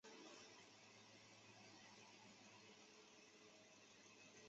唐朝是中国摇滚乐队唐朝乐队的第一张国语摇滚专辑。